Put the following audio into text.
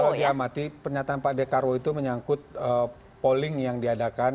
kalau diamati pernyataan pak dekarwo itu menyangkut polling yang diadakan